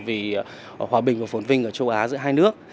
vì hòa bình và phổn vinh ở châu á giữa hai nước